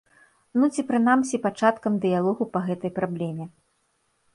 Ну ці прынамсі пачаткам дыялогу па гэтай праблеме.